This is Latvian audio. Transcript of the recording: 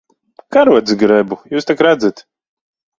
Karotes grebu. Jūs tak redzat.